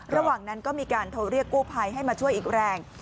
ระหว่างนั้นก็มีการโทรเรียกกู้ภัยให้มาช่วยอีกแรง